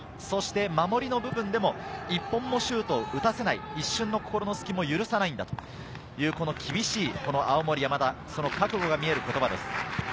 そして守りの部分でも１本もシュートを打たせない、一瞬の心の隙も許さないんだという厳しい青森山田、その覚悟が見える言葉です。